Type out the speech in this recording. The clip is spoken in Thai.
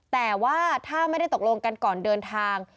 แต่ว่าถ้าไม่ได้ตกลงกันก่อนเดินทาง